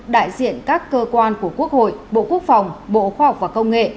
đại diện các cơ quan của quốc hội bộ quốc phòng bộ khoa học và công nghệ